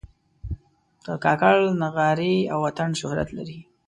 د کاکړ نغارې او اتڼ شهرت لري.